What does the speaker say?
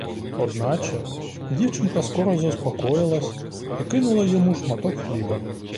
Одначе, дівчинка скоро заспокоїлась і кинула йому шматок хліба.